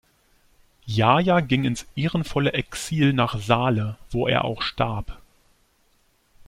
Yahya ging ins ehrenvolle Exil nach Sale, wo er auch starb.